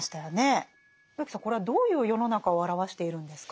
植木さんこれはどういう世の中を表しているんですか？